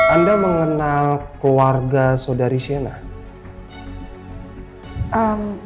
anda mengenal keluarga saudari shena